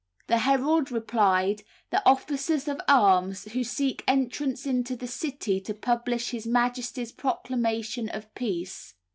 The herald replied, "The officers of arms, who seek entrance into the City to publish his majesty's proclamation of peace."